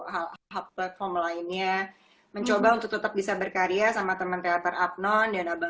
hal hal platform lainnya mencoba untuk tetap bisa berkarya sama teman teater abnon dan abang